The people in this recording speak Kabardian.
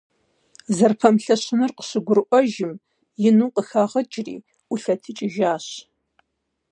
Зэрыпэмылъэщынур къыщыгурыӏуэжым, ину къыхэгъыкӏри, ӏулъэтыкӏыжащ.